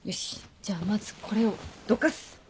じゃあまずこれをどかす。